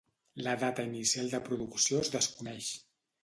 La data inicial de la producció es desconeix.